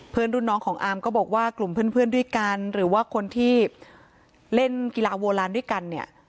เพื่อนรุ่นน้องของอามก็บอกว่ากลุ่มเพื่อนเพื่อนด้วยกันหรือว่าคนที่เล่นกีฬาโวลันด้วยกันเนี่ย